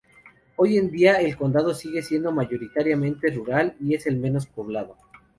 Hoy en día, el condado sigue siendo mayoritariamente rural y es el menos poblado.